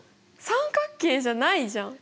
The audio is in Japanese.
三角形じゃないじゃん。